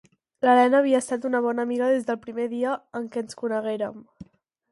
L'Elena havia estat una bona amiga des del primer dia en què ens coneguérem.